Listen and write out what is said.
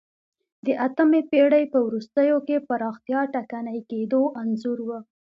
د اتمې پېړۍ په وروستیو کې پراختیا ټکنۍ کېدو انځور و